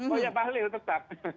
oh ya bahlil tetap